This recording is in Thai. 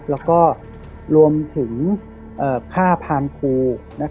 แล้วก็รวมถึงผ้าพามครู